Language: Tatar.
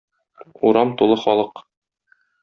Урам тулы халык.